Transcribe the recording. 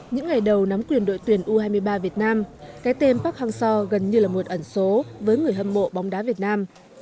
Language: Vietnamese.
những ngày đầu nắm quyền đội tuyển u hai mươi ba việt nam cái tên park hang seo gần như là một ẩn số với người hâm mộ bóng đá việt nam